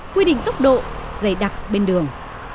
quy định tốc độ dày đặc bên đường